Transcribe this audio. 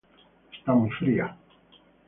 está muy fría.